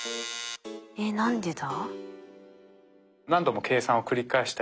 えっ何でだ？